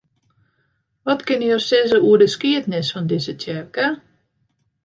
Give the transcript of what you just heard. Wat kinne jo sizze oer de skiednis fan dizze tsjerke?